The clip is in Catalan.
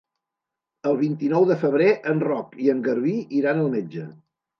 El vint-i-nou de febrer en Roc i en Garbí iran al metge.